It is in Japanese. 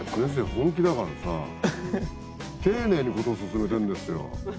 本気だからさぁ丁寧に事を進めてんですよ。